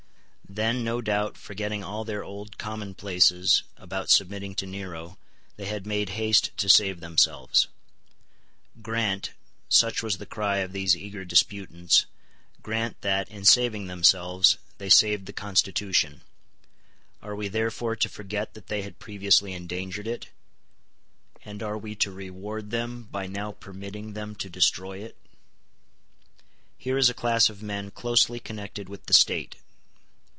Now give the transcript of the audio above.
Then, no doubt, forgetting all their old commonplaces about submitting to Nero, they had made haste to save themselves. Grant, such was the cry of these eager disputants, grant that, in saving themselves, they saved the constitution. Are we therefore to forget that they had previously endangered it? And are we to reward them by now permitting them to destroy it? Here is a class of men closely connected with the state.